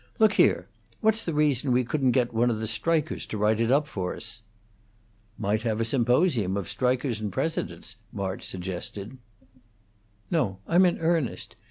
"Look here! What's the reason we couldn't get one of the strikers to write it up for us?" "Might have a symposium of strikers and presidents," March suggested. "No; I'm in earnest.